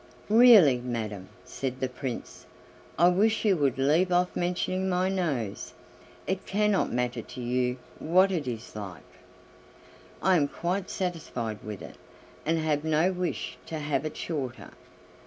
"Really, madam," said the Prince, "I wish you would leave off mentioning my nose. It cannot matter to you what it is like. I am quite satisfied with it, and have no wish to have it shorter.